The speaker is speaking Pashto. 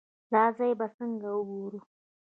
دا ځای به څنګه وګورو.